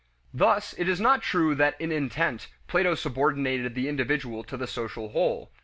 Thus it is not true that in intent, Plato subordinated the individual to the social whole.